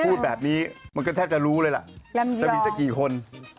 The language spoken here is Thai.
พูดแบบนี้มันก็แทบจะรู้เลยล่ะจะมีสักกี่คน